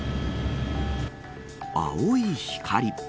青い光。